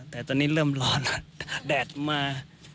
แต่ตอนนี้เริ่มร้อนแล้วแดดมา